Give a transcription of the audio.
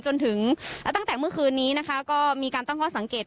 จนถึงตั้งแต่เมื่อคืนนี้นะคะก็มีการตั้งข้อสังเกต